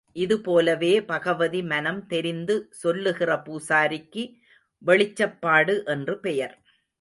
இது போலவே பகவதி மனம் தெரிந்து சொல்லுகிற பூசாரிக்கு வெளிச்சப்பாடு என்று பெயர்.